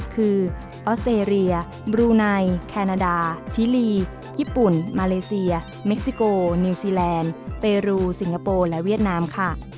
คือออสเตรเลียบรูไนแคนาดาชิลีญี่ปุ่นมาเลเซียเม็กซิโกนิวซีแลนด์เปรูสิงคโปร์และเวียดนามค่ะ